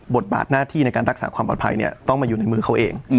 บทบาทหน้าที่ในการรักษาความปลอดภัยเนี่ยต้องมาอยู่ในมือเขาเอง